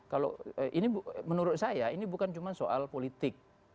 kalau ini menurut saya ini bukan cuma soal politik